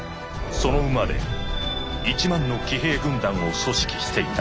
「その馬で一万の騎兵軍団を組織していた」。